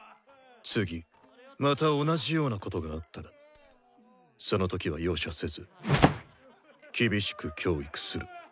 次また同じようなことがあったらその時は容赦せず厳しく「教育」する。